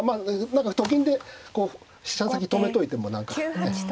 何かと金で飛車先止めといても何か。